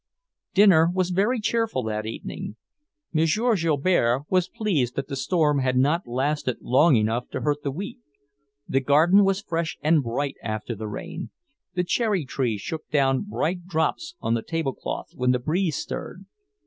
Dinner was very cheerful that evening. M. Joubert was pleased that the storm had not lasted long enough to hurt the wheat. The garden was fresh and bright after the rain. The cherry tree shook down bright drops on the tablecloth when the breeze stirred.